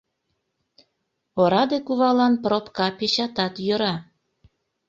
Ораде кувалан пробка печатат йӧра!..